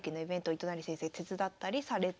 糸谷先生手伝ったりされております。